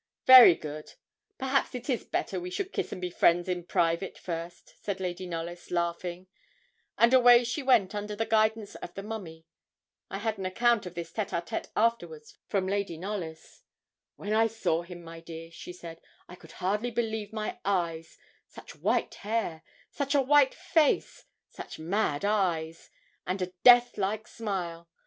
'Very good; perhaps it is better we should kiss and be friends in private first,' said Cousin Knollys, laughing; and away she went under the guidance of the mummy. I had an account of this tête à tête afterwards from Lady Knollys. 'When I saw him, my dear,' she said, 'I could hardly believe my eyes; such white hair such a white face such mad eyes such a death like smile.